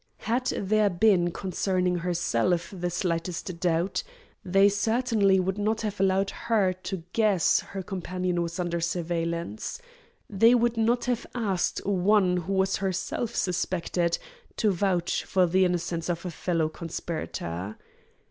Had there been concerning herself the slightest doubt, they certainly would not have allowed her to guess her companion was under surveillance; they would not have asked one who was herself suspected to vouch for the innocence of a fellow conspirator.